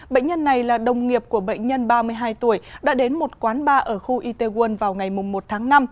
bệnh nhân này là đồng nghiệp của bệnh nhân ba mươi hai tuổi đã đến một quán bar ở khu itaewon vào ngày một tháng năm